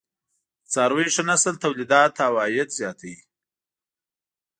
د څارويو ښه نسل تولیدات او عاید زیاتوي.